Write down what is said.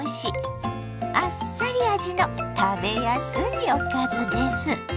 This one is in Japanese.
あっさり味の食べやすいおかずです。